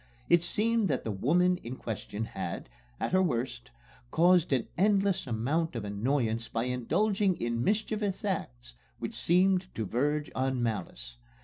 It seems that the woman in question had, at her worst, caused an endless amount of annoyance by indulging in mischievous acts which seemed to verge on malice.